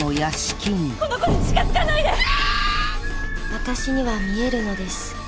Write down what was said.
「私には見えるのです。